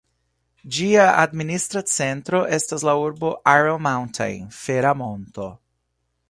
Ĝia administra centro estas la urbo "Iron Mountain" ("Fera Monto").